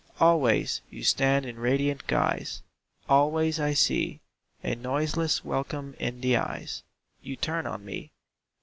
Always you stand in radiant guise, Always I see A noiseless welcome in the eyes You turn on me.